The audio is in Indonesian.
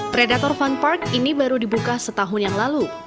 predator fun park ini baru dibuka setahun yang lalu